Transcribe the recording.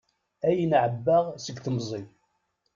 Ayen ɛebbaɣ seg temẓi.